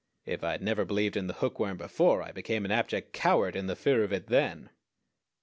If I had never believed in the hookworm before, I became an abject coward in the fear of it then.